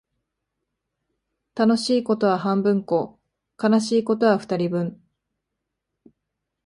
楽しいことは半分こ、悲しいことは二人分